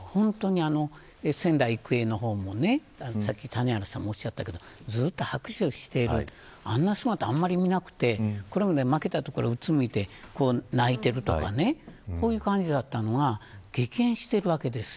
仙台育英の方もずっと拍手をしているあんな姿あんまり見なくてこれまで、負けたところはうつむいて、泣いているとかそういう感じだったのが激変しているわけです。